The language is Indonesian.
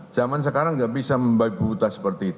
zaman sekarang nggak bisa membagi bagi duit seperti itu